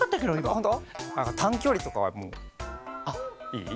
あとたんきょりとかはもういい？